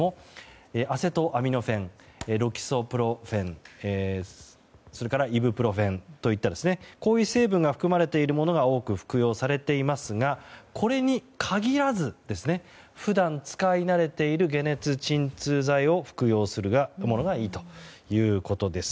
アセトアミノフェンロキソプロフェン、それからイブプロフェンといったこういう成分が含まれているものが多く服用されていますがこれに限らず普段使いなれている解熱鎮痛剤を服用するのがいいということです。